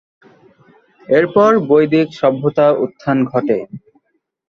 এরপর বৈদিক সভ্যতা উত্থান ঘটে।